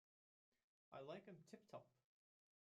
I like 'em tip-top.